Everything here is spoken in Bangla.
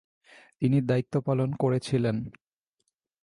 তিনি দায়িত্ব পালন করেছিলেন।